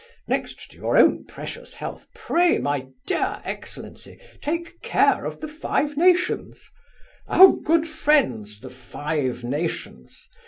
Next to your own precious health, pray, my dear excellency, take care of the Five Nations Our good friends the Five Nations.